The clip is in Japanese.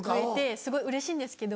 すごいうれしいんですけど。